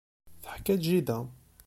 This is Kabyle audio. Teḥka-ak jida.